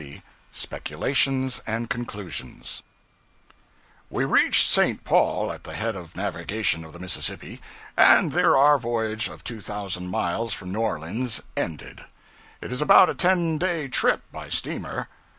]} CHAPTER 60 Speculations and Conclusions WE reached St. Paul, at the head of navigation of the Mississippi, and there our voyage of two thousand miles from New Orleans ended. It is about a ten day trip by steamer.